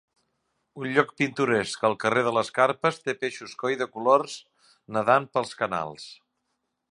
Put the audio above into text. Un lloc pintoresc, el carrer de les carpes, té peixos "koi" de colors nadant pels canals.